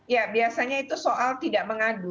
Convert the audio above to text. ya biasanya itu soal tidak mengadu